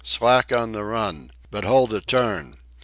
Slack on the run! But hold a turn!